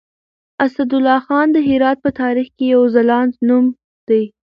اسدالله خان د هرات په تاريخ کې يو ځلاند نوم دی.